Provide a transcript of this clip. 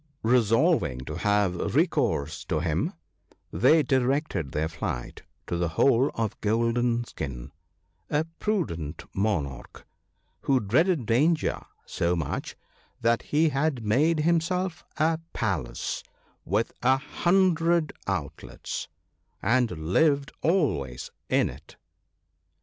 Resolving to have recourse to him, they directed their flight to the hole of Golden skin — a prudent monarch, who dreaded danger so much that he had made himself a palace with a hundred outlets, and lived always in it.